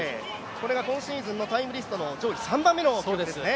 これが今シーズンのタイムリストの上位３番目ですね。